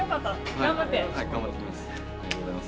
頑張ってきます。